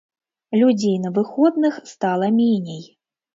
Людзей на выходных стала меней.